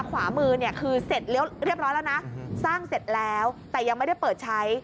ขวามือเนี่ยคือเสร็จเรียบร้อยแล้วนะสร้างเสร็จแล้วแต่ยังไม่ได้เปิดใช้